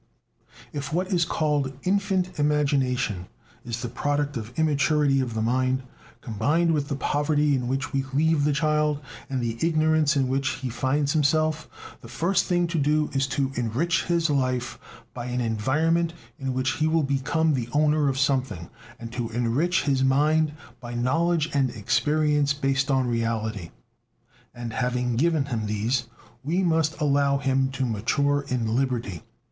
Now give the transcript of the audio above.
If what is called infant imagination is the product of "immaturity" of the mind, combined with the poverty in which we leave the child and the ignorance in which he finds himself, the first thing to do is to enrich his life by an environment in which he will become the owner of something, and to enrich his mind by knowledge and experience based on reality. And having given him these, we must allow him to mature in liberty.